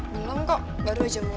belum kok baru aja mulai